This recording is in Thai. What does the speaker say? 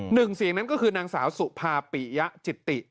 หนึ่งเสียงนั้นก็คือนางสาวสุภาปิยะจิตติ